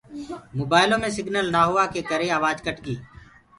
موبآئيلو مي سگنل نآ هوآ ڪي ڪري آوآج ڪٽ گي۔